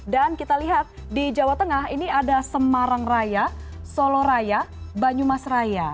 dan kita lihat di jawa tengah ini ada semarang raya solo raya banyumas raya